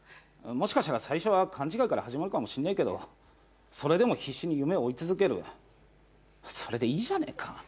もしかしたら最初は勘違いから始まるかもしんねえけどそれでも必死に夢を追い続けるそれでいいじゃねえか。